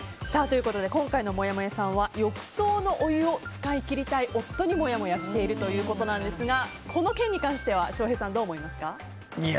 今回のもやもやさんは浴槽のお湯を使い切りたい夫にもやもやしているということなんですがこの件に関しては翔平さん、どう思いますか？